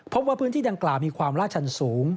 พบว่าพื้นที่ดังกล่าวมีความลาดชันสูง